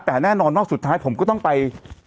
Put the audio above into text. แต่แน่นอนว่าสุดท้ายผมก็ต้องไป